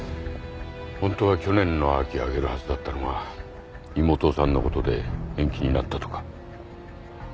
ホントは去年の秋挙げるはずだったのが妹さんのことで延期になったとか。